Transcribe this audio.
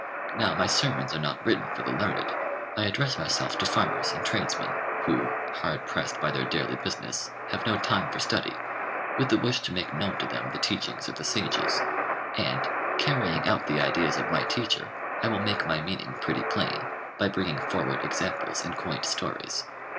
Now, my sermons are not written for the learned: I address myself to farmers and tradesmen, who, hard pressed by their daily business, have no time for study, with the wish to make known to them the teachings of the sages; and, carrying out the ideas of my teacher, I will make my meaning pretty plain, by bringing forward examples and quaint stories.